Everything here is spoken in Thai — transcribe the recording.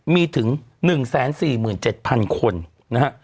มีถึง๑๔๗๐๐คนนะฮะ